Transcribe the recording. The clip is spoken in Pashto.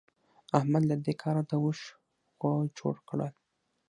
احمد له دې کاره د اوښ غوو جوړ کړل.